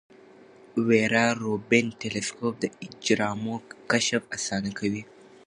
ویرا روبین ټیلسکوپ د اجرامو کشف اسانه کوي.